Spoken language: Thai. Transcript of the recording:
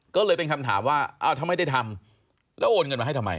ก็เลยเป็นคำถามว่าอ้าวถ้าไม่ได้ทำแล้วโอนเงินมาให้ทำไม